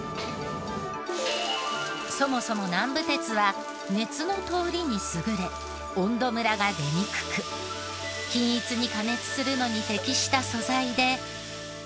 そもそも南部鉄は熱の通りに優れ温度ムラが出にくく均一に加熱するのに適した素材で。